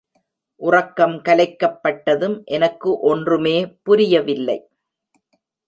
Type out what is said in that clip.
உறக்கம் கலைக்கப்பட்டதும் எனக்கு ஒன்றுமே புரியவில்லை.